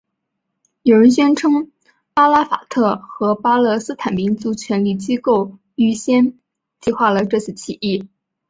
有人宣称阿拉法特和巴勒斯坦民族权力机构预先计划了这次起义。